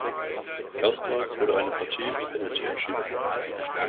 Erstmals wurde eine Partie im Penalty entschieden.